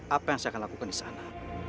apa yang saya akan lakukan di sana